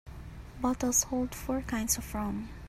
Bottles hold four kinds of rum.